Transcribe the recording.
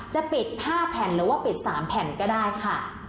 จะปิด๕แผ่นหรือว่าปิด๓แผ่นก็ได้ค่ะ